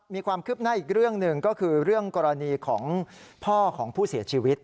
มีความคืบหน้าอีกเรื่องหนึ่งก็คือเรื่องกรณีของพ่อของผู้เสียชีวิต